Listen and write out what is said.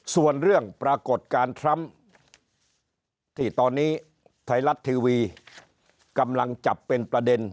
ส่วนเรื่องปรากฏการณ์ทรัมป์ที่ตอนนี้ไทยรัฐทีวีกำลังจับเป็นประเด็น